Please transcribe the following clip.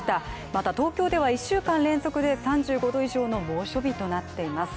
また東京では１週間連続で３５度以上の猛暑日となっています。